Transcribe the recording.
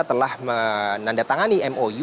telah menandatangani mou